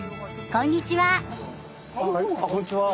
こんにちは。